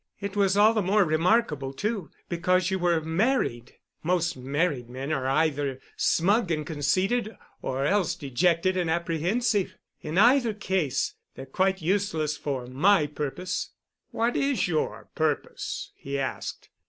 It was all the more remarkable, too, because you were married. Most married men are either smug and conceited, or else dejected and apprehensive. In either case they're quite useless for my purpose." "What is your purpose?" he asked.